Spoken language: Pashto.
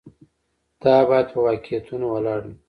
دا باید په واقعیتونو ولاړ وي.